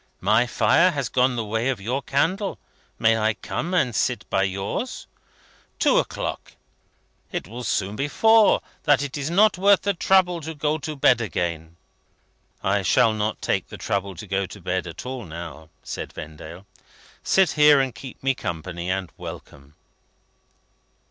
My fire has gone the way of your candle. May I come and sit by yours? Two o'clock! It will so soon be four, that it is not worth the trouble to go to bed again." "I shall not take the trouble to go to bed at all, now," said Vendale; "sit here and keep me company, and welcome."